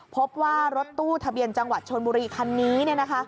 พบว่ารถตู้ทะเบียนจังหวัดชนบุรีคันนี้